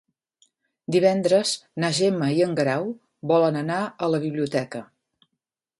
Divendres na Gemma i en Guerau volen anar a la biblioteca.